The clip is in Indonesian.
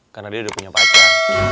karena dia udah punya pacar